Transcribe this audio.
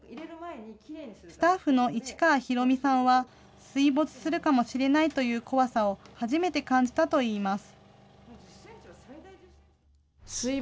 スタッフの市川裕美さんは、水没するかもしれないという怖さを初めて感じたといいます。